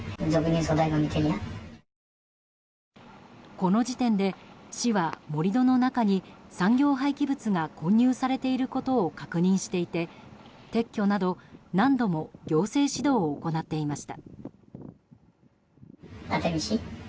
この時点で市は盛り土の中に産業廃棄物が混入されていることを確認していて撤去など、何度も行政指導を行っていました。